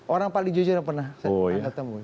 orang paling jujur yang pernah saya temui